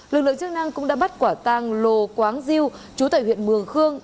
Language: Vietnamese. lực lượng chức năng cũng đã bắt quả tăng lô quáng diêu chú tại huyện mường khương